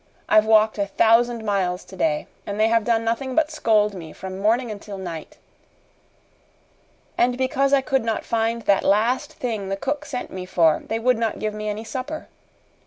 I've walked a thousand miles today, and they have done nothing but scold me from morning until night. And because I could not find that last thing the cook sent me for, they would not give me any supper.